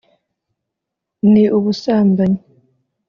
ni ubusambanyi